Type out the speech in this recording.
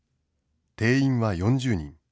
定員は４０人。